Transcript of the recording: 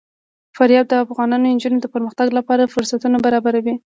فاریاب د افغان نجونو د پرمختګ لپاره فرصتونه برابروي.